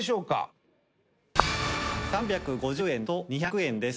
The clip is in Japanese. ３５０円と２００円です。